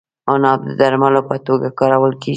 عناب د درملو په توګه کارول کیږي.